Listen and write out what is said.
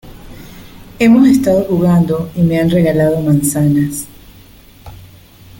hemos estado jugando y me han regalado manzanas